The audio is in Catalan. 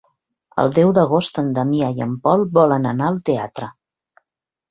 El deu d'agost en Damià i en Pol volen anar al teatre.